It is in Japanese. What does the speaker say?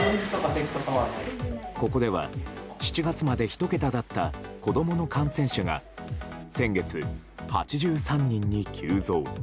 ここでは７月まで１桁だった子供の感染者が先月、８３人に急増。